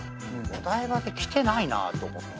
お台場で来てないなと思って。